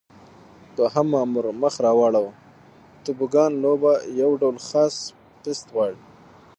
دوهم مامور مخ را واړاوه: توبوګان لوبه یو ډول خاص پېست غواړي.